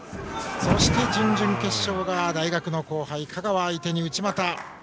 そして、準々決勝が大学の後輩、香川相手に内股。